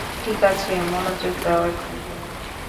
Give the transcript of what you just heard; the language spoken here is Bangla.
ঠিক আছে, মনোযোগ দাও এখন।